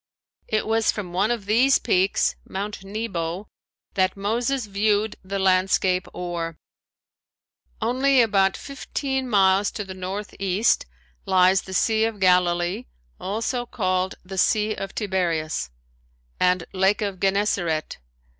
It was from one of these peaks, Mount Nebo, that Moses viewed the landscape o'er. Only about fifteen miles to the northeast lies the Sea of Galilee, also called the Sea of Tiberias and Lake of Gennesaret.